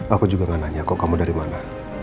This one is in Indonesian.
aku juga gak nanya kok kamu dari mana